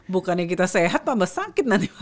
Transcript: bukannya kita sehat tambah sakit nanti